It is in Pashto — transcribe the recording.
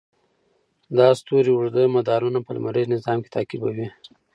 دا ستوري اوږده مدارونه په لمریز نظام کې تعقیبوي.